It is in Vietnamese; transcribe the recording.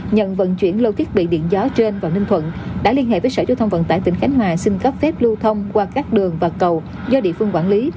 nhận vận chuyển lô thiết bị điện gió trên vào ninh thuận đã liên hệ với sở giao thông vận tải tỉnh khánh hòa xin cấp phép lưu thông qua các đường và cầu do địa phương quản lý